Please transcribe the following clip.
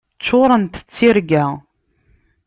Ččurent d tirga.